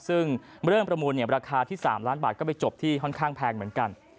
ซึ่งเริ่มประมูลราคาที่๓ล้านบาทก็ไปจบที่ค่อนข้างแพงเหมือนกัน